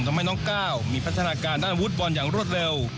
น้องก้าวมีพัฒนาการด้านอาวุธบอลอย่างรวดเร็ว